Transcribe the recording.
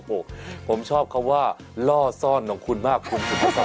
โอ้โหผมชอบคำว่าล่อซ่อนของคุณมากคุณสุภาษา